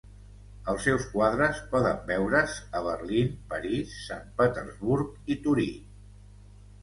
Els seus quadres poden veure's a Berlín, París, Sant Petersburg i Torí.